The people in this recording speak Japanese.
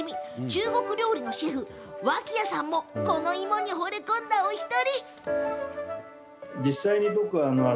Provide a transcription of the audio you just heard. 中国料理のシェフ、脇屋さんもこの芋に、ほれ込んだお一人。